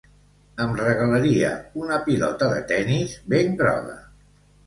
Em regalaria una pilota de tennis ben groga.